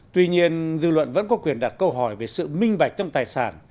tuy nhiên dư luận vẫn có quyền đặt câu hỏi về sự minh bạch trong tài sản